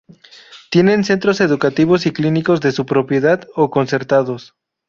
Tienen centros educativos y clínicos de su propiedad o concertados.